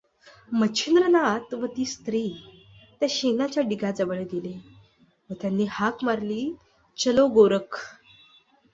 मच्छिंद्रनाथ व ती स्त्री त्या शेणाच्या ढिगाजवळ गेले व त्यांनी हाक मारली चलो गोरख!